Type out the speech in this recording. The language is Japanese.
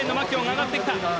上がってきた。